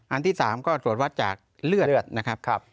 อันที่๓ก็ตรวจวัดจากเลือดนะครับ